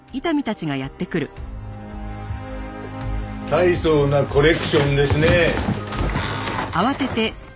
大層なコレクションですね。